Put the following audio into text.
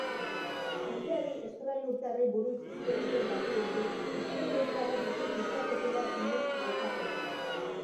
Jendeari estralurtarrei buruz hitz egiten badiezu estralurtarrak ikus ditzaketela sinets dezakete.